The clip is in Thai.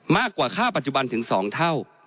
มากกว่าค่าปัจจุบันถึง๒เท่า